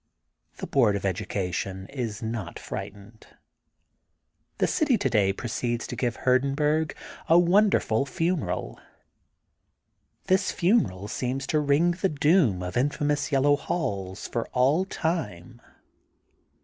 The Board of Education is not frightened. The city to day proceeds to give Hurdenburg a wonderful funeral. This funeral seems to ring the doom of infamous Yellow Halls for all time.